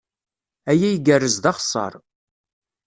Aya igerrez d axeṣṣar.